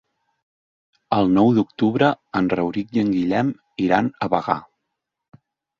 El nou d'octubre en Rauric i en Guillem iran a Bagà.